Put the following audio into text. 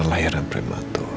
kalo lahiran prematur